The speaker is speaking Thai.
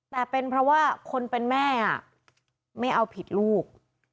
แต่เป็นเพราะว่าคนเป็นแม่ไม่เอาผิดลูก